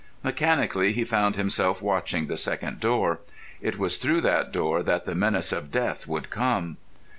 Mechanically he found himself watching the second door. It was through that door that the menace of death would come.